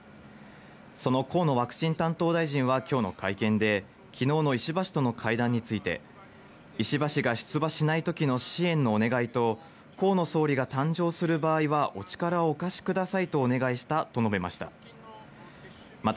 その河野ワクチン担当大臣は、今日の会見で昨日の石破氏との会談について石破氏が出馬しない時の支援のお願いと河野総理が誕生する場合はお力をお貸しくださいとお願いしたと述べました。